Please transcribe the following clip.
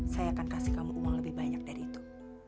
saya akan kasih kamu uang lebih banyak dari itu